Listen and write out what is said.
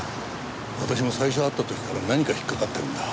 私も最初会った時から何か引っかかってるんだ。